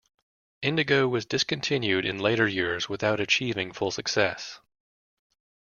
Indigo was discontinued in later years without achieving full success.